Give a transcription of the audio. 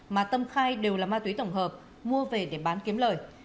mà tâm khai đều là ma túy tổng hợp mua về để bán kiếm lời